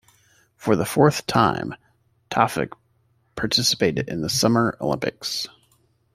For the fourth time, Taufik participated in the Summer Olympics.